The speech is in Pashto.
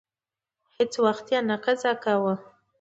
هیڅ وخت یې نه قضا کاوه.